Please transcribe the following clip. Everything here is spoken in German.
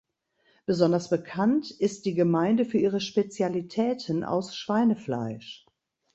Besonders bekannt ist die Gemeinde für ihre Spezialitäten aus Schweinefleisch.